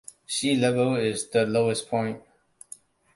Sea level is the lowest point.